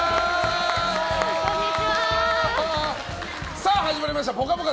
さあ、始まりました「ぽかぽか」